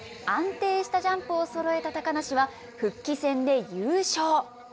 安定したジャンプをそろえた高梨は、復帰戦で優勝。